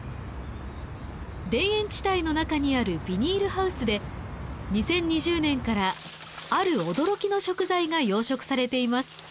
田園地帯の中にあるビニールハウスで２０２０年からある驚きの食材が養殖されています。